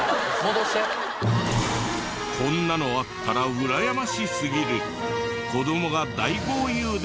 こんなのあったらうらやましすぎる。